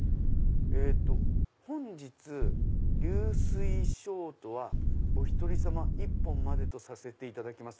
「本日流水ショートはおひとり様１本までとさせていただきます」。